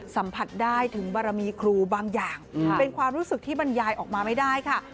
สัมผัสได้ถึงบารมีครูบางอย่างเป็นความรู้สึกที่บรรยายออกมาไม่ได้ค่ะ